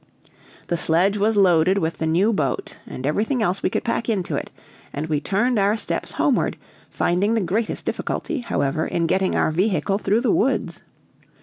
The sledge was loaded with the new boat, and everything else we could pack into it, and we turned our steps homeward, finding the greatest difficulty, however, in getting our vehicle through the woods.